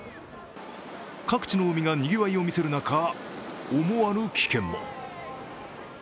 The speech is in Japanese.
各地の海がにぎわいを見せる中、思わぬ危険も。